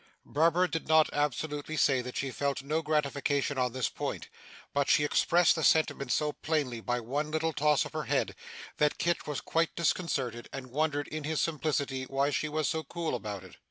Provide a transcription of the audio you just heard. Barbara did not absolutely say that she felt no gratification on this point, but she expressed the sentiment so plainly by one little toss of her head, that Kit was quite disconcerted, and wondered, in his simplicity, why she was so cool about it.